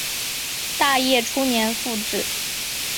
大业初年复置。